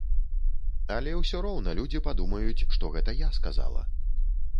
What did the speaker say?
Але ўсё роўна людзі падумаюць, што гэта я сказала.